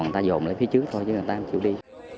người ta dồn lại phía trước thôi chứ người ta không chịu đi